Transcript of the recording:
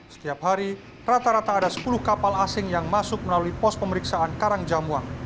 setiap hari rata rata ada sepuluh kapal asing yang masuk melalui pos pemeriksaan karangjamuang